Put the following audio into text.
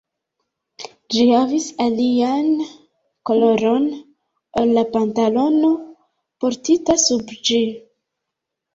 Ĝi havis alian koloron ol la pantalono, portita sub ĝi.